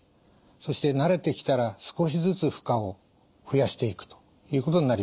そして慣れてきたら少しずつ負荷を増やしていくということになります。